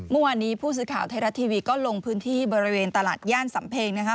เมื่อวานนี้ผู้สื่อข่าวไทยรัฐทีวีก็ลงพื้นที่บริเวณตลาดย่านสำเพงนะคะ